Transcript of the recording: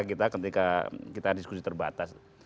ketika kita diskusi terbatas